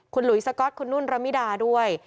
คุณหลุยสก๊อตคุณนุ่นระมิดาด้วย